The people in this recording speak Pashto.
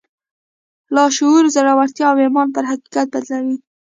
لاشعور زړورتيا او ايمان پر حقيقت بدلوي.